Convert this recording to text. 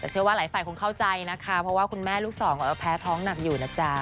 แต่เชื่อว่าหลายฝ่ายคงเข้าใจนะคะเพราะว่าคุณแม่ลูกสองแพ้ท้องหนักอยู่นะจ๊ะ